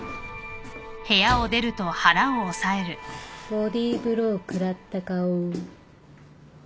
ボディーブロー食らった顔。